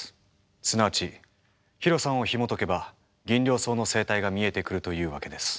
すなわちヒロさんをひもとけばギンリョウソウの生態が見えてくるというわけです。